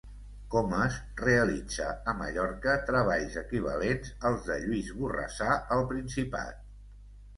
Comes realitza a Mallorca treballs equivalents als de Lluís Borrassà al principat.